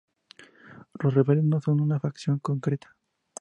Los rebeldes no son una facción concreta.